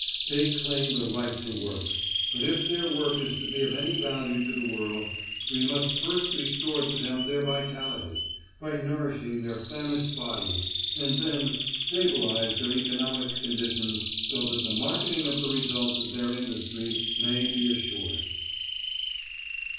They claim the right to work; but if their work is to be of any value to the world, we must first restore to them their vitality, by nourishing their famished bodies, and then stabilise their economic conditions so that the marketing of the results of their industry may be assured.